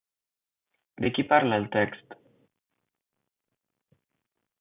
De qui parla el text?